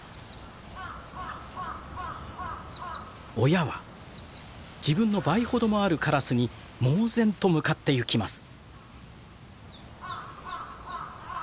親は自分の倍ほどもあるカラスに猛然と向かってゆきます。